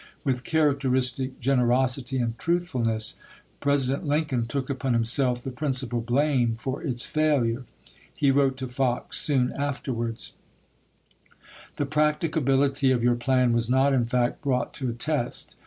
With characteristic generosity and truthfulness. Presi dent Lincoln took upon himself the principal blame for its f ailui e. He wrote to Fox soon afterwards : The practicability of your plan was not in fact brought to a test.